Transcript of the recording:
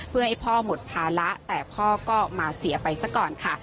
เพื่อให้พ่อหมดภาระแต่พ่อก็มาเสียไปซะก่อนค่ะ